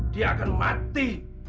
dia akan mati